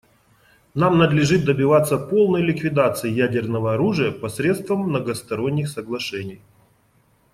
Нам надлежит добиваться полной ликвидации ядерного оружия посредством многосторонних соглашений.